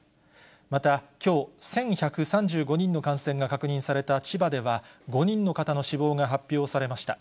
また、きょう、１１３５人の感染が確認された千葉では、５人の方の死亡が発表されました。